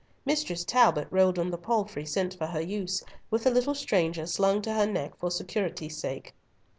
Mistress Talbot rode on the palfrey sent for her use, with the little stranger slung to her neck for security's sake.